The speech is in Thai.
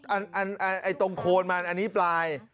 อันนี้ตรงโคลนมันอันนี้ปลาย